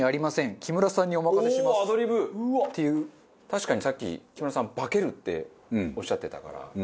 確かにさっき木村さん「化ける」っておっしゃってたから。